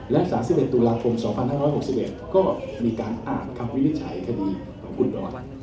และ๓๑ตุลาคม๒๕๖๑ก็มีการอ่านคำวินิจฉัยคดีของคุณดอส